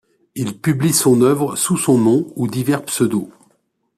Il publie son œuvre sous son nom ou divers pseudos.